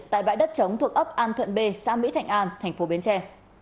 tại bãi đất trống thuộc ấp an thuận b xã mỹ thạnh an thành phố biến tre